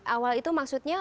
awal itu maksudnya